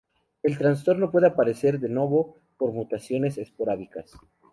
El trastorno puede aparecer "de novo" por mutaciones esporádicas.